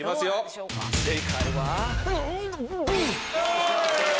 よし！